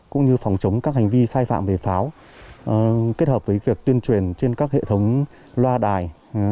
cũng như phòng chống các hành vi sai phạm về pháo kết hợp với việc tuyên truyền trên các hệ thống loa đài